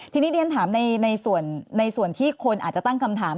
ทีนี้เรียนถามในส่วนที่คนอาจจะตั้งคำถาม